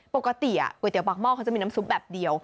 ปกติก๋วยเตี๋ยปากหม้อเขาจะมีน้ำซุปแบบเดียว